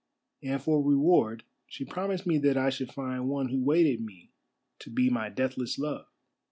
And for reward she promised me that I should find one who waited me to be my deathless love."